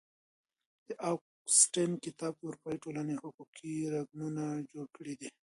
د اګوستين کتاب د اروپايي ټولنو حقوقي رکنونه جوړ کړي دي.